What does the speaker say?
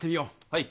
はい。